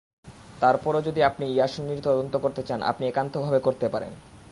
তারপরও যদি আপনি ইয়াশনির তদন্ত করতে চান, আপনি একান্তভাবে করতে পারেন।